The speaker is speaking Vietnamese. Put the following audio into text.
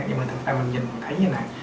nhưng mà thật ra mình nhìn mình thấy như thế này